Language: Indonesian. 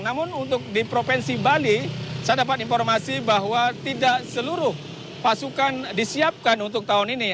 namun untuk di provinsi bali saya dapat informasi bahwa tidak seluruh pasukan disiapkan untuk tahun ini